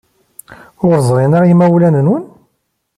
Ur ẓrin ara yimawlan-nwen?